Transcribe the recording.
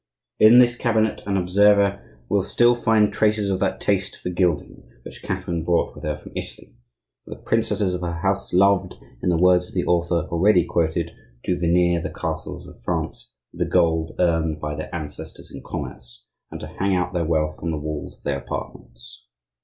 In this cabinet an observer will still find traces of that taste for gilding which Catherine brought with her from Italy; for the princesses of her house loved, in the words of the author already quoted, to veneer the castles of France with the gold earned by their ancestors in commerce, and to hang out their wealth on the walls of their apartments.